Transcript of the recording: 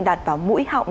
đạt vào mũi họng